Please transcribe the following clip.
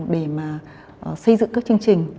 để mà xây dựng các chương trình